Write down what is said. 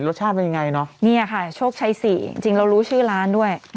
รสชาติเป็นยังไงเนอะเนี่ยค่ะโชคชัยสี่จริงจริงเรารู้ชื่อร้านด้วย